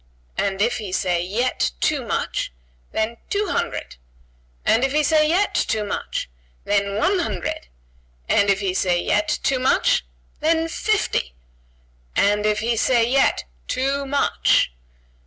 "And if he say yet, too much?" "Then two hundred!" "And if he say yet, too much?" "Then one hundred!" "And if he say yet, too much?" "Then, fifty!" "And if he say yet, too much?"